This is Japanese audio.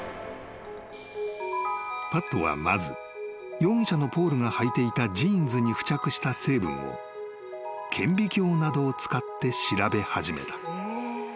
［パットはまず容疑者のポールがはいていたジーンズに付着した成分を顕微鏡などを使って調べ始めた］